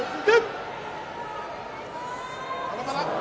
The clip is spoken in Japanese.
まだまだ。